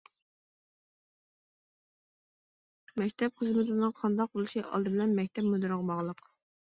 مەكتەپ خىزمىتىنىڭ قانداق بولۇشى ئالدى بىلەن مەكتەپ مۇدىرىغا باغلىق.